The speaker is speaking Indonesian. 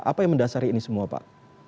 apa yang mendasari ini semua pak